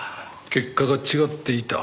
結果が違っていた？